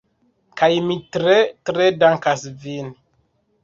Kaj mi tre, tre dankas vin.